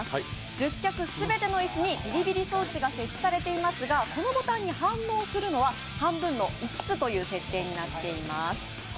１０脚全ての椅子にビリビリ装置が設置されていますがこのボタンに反応するのは半分の５つという設定になっています。